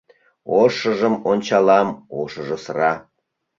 Ошыжым ончалам - ошыжо сыра